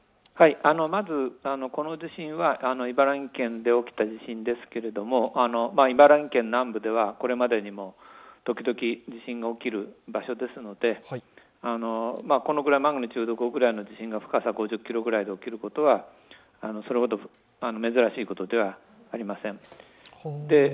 まずこの地震は茨城県で起きた地震ですけれども、茨城県南部ではこれまでにも時々地震が起きる場所ですので、マグニチュード５ぐらいの地震が起きることはそれほど珍しいことではありません。